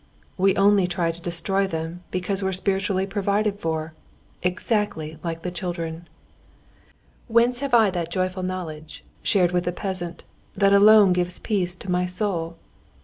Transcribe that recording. "We only try to destroy them, because we're spiritually provided for. Exactly like the children! "Whence have I that joyful knowledge, shared with the peasant, that alone gives peace to my soul?